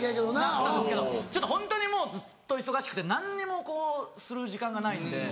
なったんですけどホントにもうずっと忙しくて何にもこうする時間がないんで。